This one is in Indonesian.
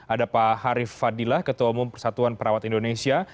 ada pak harif fadilah ketua umum persatuan perawat indonesia